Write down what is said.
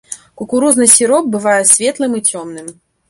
Кукурузны сіроп бывае светлым і цёмным.